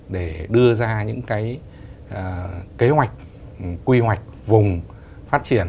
để đưa ra những cái kế hoạch quy hoạch vùng phát triển